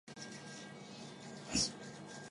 努伊隆蓬。